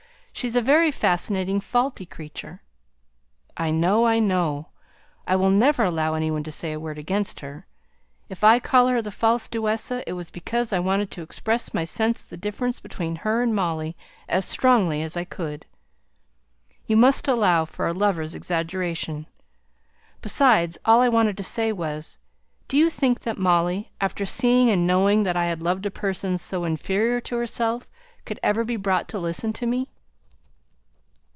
She's a very fascinating, faulty creature." "I know! I know! I will never allow any one to say a word against her. If I called her the false Duessa it was because I wanted to express my sense of the difference between her and Molly as strongly as I could. You must allow for a lover's exaggeration. Besides, all I wanted to say was, Do you think that Molly, after seeing and knowing that I had loved a person so inferior to herself, could ever be brought to listen to me?"